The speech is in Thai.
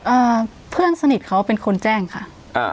อ่าเพื่อนสนิทเขาเป็นคนแจ้งค่ะอ่า